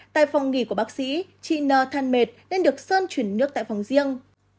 tại phòng nghỉ của bác sĩ chị nờ than mệt nên được sơn chuyển nước tại phòng riêng